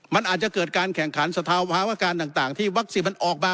มันอาจจะเกิดการแข่งขันสภาวะการต่างที่วัคซีนมันออกมา